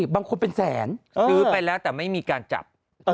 บางคนเป็นแสนซื้อไปแล้วแต่ไม่มีการจับ